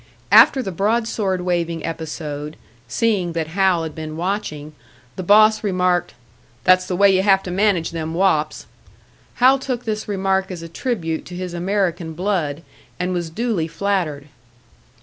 After the broad sword waving episode, seeing that Hal had been watching, the boss remarked, "That's the way you have to manage them wops." Hal took this remark as a tribute to his American blood, and was duly flattered.